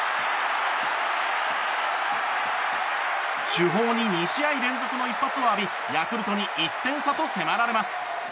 主砲に２試合連続の一発を浴びヤクルトに１点差と迫られます。